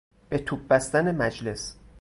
به توپ بستن مجلس